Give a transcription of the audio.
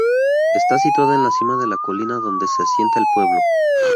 Está situada en la cima de la colina donde se asienta el pueblo.